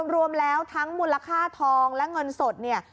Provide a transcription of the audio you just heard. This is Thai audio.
รวมแล้วทั้งมูลค่าทองและเงินสดเนี่ย